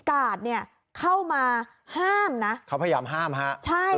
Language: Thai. กาดเนี่ยเข้ามาห้ามนะเขาพยายามห้ามฮะใช่